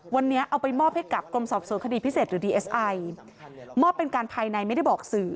วันนี้เอาไปมอบให้กับอ